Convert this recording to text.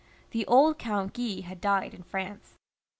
The old Count Guy had died in France.